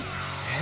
え！